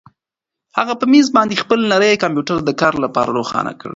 هغه په مېز باندې خپل نری کمپیوټر د کار لپاره روښانه کړ.